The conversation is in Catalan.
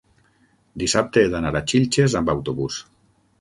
Dissabte he d'anar a Xilxes amb autobús.